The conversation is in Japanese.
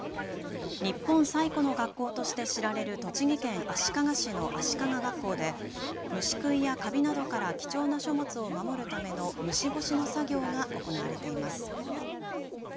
日本最古の学校として知られる栃木県足利市の足利学校で虫食いやかびなどから貴重な書物を守るための虫干しの作業が行われています。